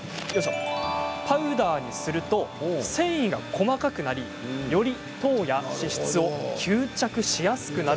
パウダーにすると繊維が細かくなりより糖や脂質を吸着しやすくなる。